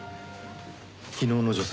昨日の女性